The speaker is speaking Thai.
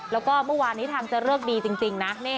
แล้วก็เมื่อวานนี้ทางจะเลิกดีจริงนะ